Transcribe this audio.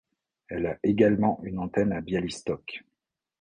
Elle a également une antenne à Białystok.